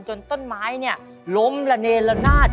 จนต้นไม้เนี่ยล้มระเนละนาด